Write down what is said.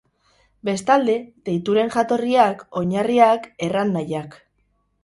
Bestalde, deituren jatorriak, oinarriak, erran-nahiak.